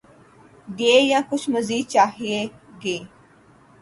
گے یا کچھ مزید چاہیں گے؟